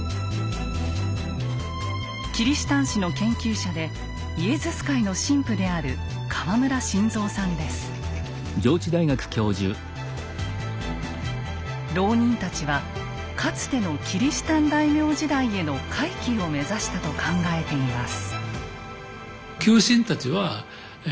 キリシタン史の研究者でイエズス会の神父である牢人たちはかつてのキリシタン大名時代への回帰を目指したと考えています。